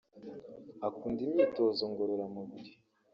akunda imyitozo ngoraramubiri